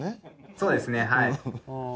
そうですねはい。